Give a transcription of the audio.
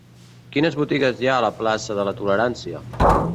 Quines botigues hi ha a la plaça de la Tolerància?